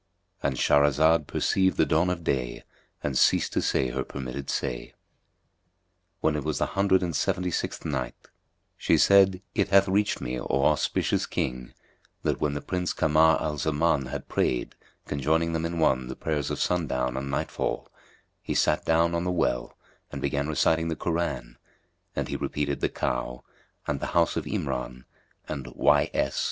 —And Shahrazad perceived the dawn of day and ceased to say her permitted say. When it was the Hundred and Seventy sixth Night, She said, It hath reached me, O auspicious King, that when the Prince Kamar al Zaman had prayed (conjoining them in one) the prayers of sundown and nightfall, he sat down on the well and began reciting the Koran, and he repeated "The Cow," the "House of Imrán," and "Y. S.